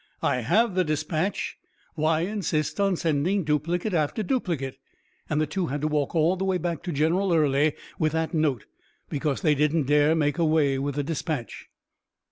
I have the dispatch. Why insist on sending duplicate after duplicate?' And the two had to walk all the way back to General Early with that note, because they didn't dare make away with the dispatch.